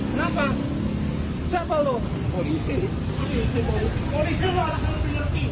kenapa siapa lo polisi polisi lo harus lebih nyerti